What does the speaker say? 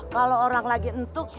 kalau orang lagi entuk